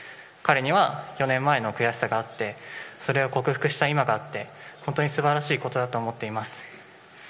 彼には４年前の悔しさがあってそれを克服した今があって本当に素晴らしいことだと思っています。